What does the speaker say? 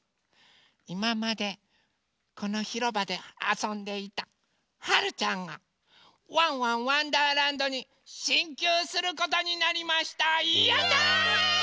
いままでこのひろばであそんでいたはるちゃんが「ワンワンわんだーらんど」にしんきゅうすることになりました！